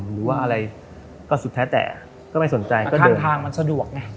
หรือว่าอะไรก็สุดแท้แต่ก็ไม่สนใจก็เดินทางมันสะดวกไง